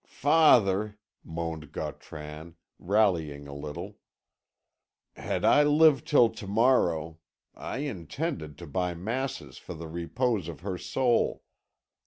"Father," moaned Gautran, rallying a little, "had I lived till to morrow, I intended to buy masses for the repose of her soul.